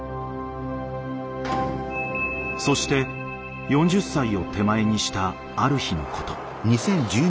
そして４０歳を手前にしたある日のこと。